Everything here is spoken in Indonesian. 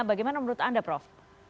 bagaimana menurut anda prof